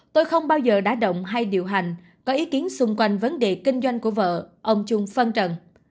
tôi không bao giờ đã động hay điều hành có ý kiến xung quanh vấn đề kinh doanh của vợ ông chung phân trần